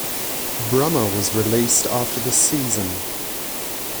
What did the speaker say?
Brummer was released after the season.